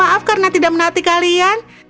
dan maaf karena tidak menhati kalian